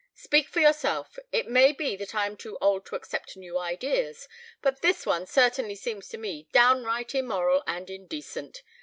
"Speak for yourself. It may be that I am too old to accept new ideas, but this one certainly seems to me downright immoral and indecent.